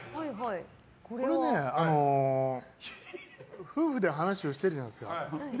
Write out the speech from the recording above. これね、夫婦で話をしてるじゃないですか。